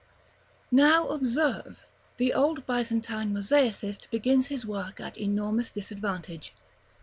§ XVI. Now observe, the old Byzantine mosaicist begins his work at enormous disadvantage.